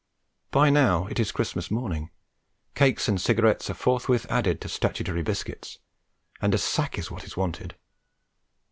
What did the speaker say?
By now it is Christmas morning; cakes and cigarettes are forthwith added to statutory biscuits, and a sack is what is wanted.